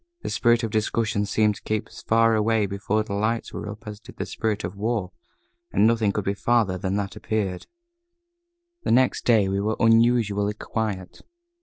The spirit of discussion seemed to keep as far away before the lights were up as did the spirit of war, and nothing could be farther than that appeared. The next day we were unusually quiet.